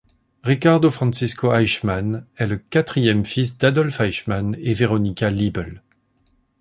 Ricardo Francisco Eichmann est le quatrième fils d'Adolf Eichmann et Veronika Liebl.